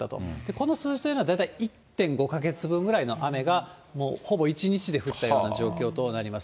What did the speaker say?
この数字というのは、大体１．５か月分ぐらいの雨が、ほぼ１日で降ったような状況となります。